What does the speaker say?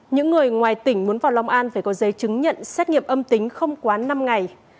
những người ngoài tỉnh muốn vào long an phải có giấy chứng nhận xét nghiệm âm tính không quá năm ngày